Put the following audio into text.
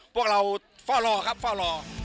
พวกเราฟ่าวรอครับฟ่าวรอ